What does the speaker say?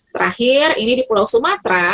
terakhir ini di pulau sumatera